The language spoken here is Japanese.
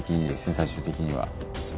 最終的には。